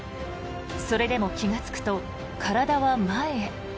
それでも気がつくと体は前へ。